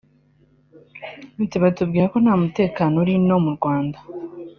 Ati “Batubwiraga ko nta mutekano uri ino mu Rwanda